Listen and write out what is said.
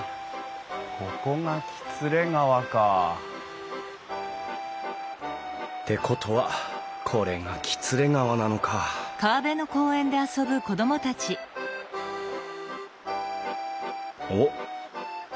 ここが喜連川か。ってことはこれが喜連川なのかおっ。